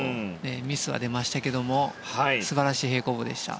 ミスは出ましたけど素晴らしい平行棒でした。